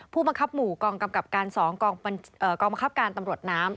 ผู้บังคับหมู่กองกำกับการ๒กองบังคับการตำรวจน้ำ